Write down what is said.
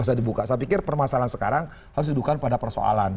saya pikir permasalahan sekarang harus dihidupkan pada persoalan